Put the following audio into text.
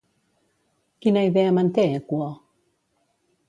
Quina idea manté Equo?